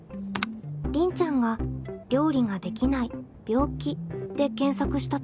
りんちゃんが「料理ができない病気」で検索したところ。